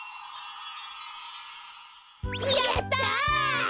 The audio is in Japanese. やった！